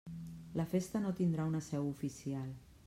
La Festa no tindrà una seu oficial.